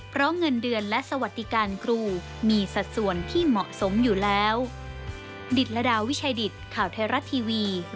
เพราะเงินเดือนและสวัสดิการครูมีสัดส่วนที่เหมาะสมอยู่แล้ว